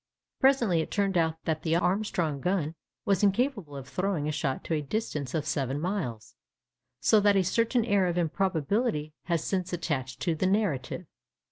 Presently it turned out that the Armstrong gun was incapable of throwing a shot to a distance of seven miles; so that a certain air of improbability has since attached to the narrative.